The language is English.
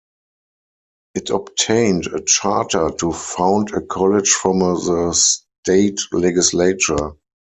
It obtained a charter to found a college from the state legislature.